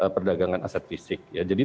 perdagangan aset fisik jadi